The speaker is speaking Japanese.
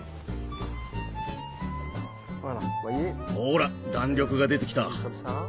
ほら弾力が出てきた。